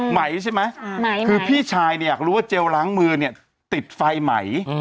ไหมใช่ไหมคือพี่ชายเนี่ยอยากรู้ว่าเจลล้างมือเนี่ยติดไฟไหม